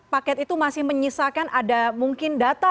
paket itu masih menyisakan ada mungkin data